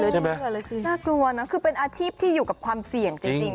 น่ากลัวนะคือเป็นอาชีพที่อยู่กับความเสี่ยงจริง